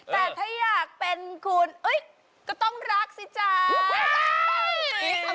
แต่ถ้าอยากเป็นคุณก็ต้องรักสิจ๊ะ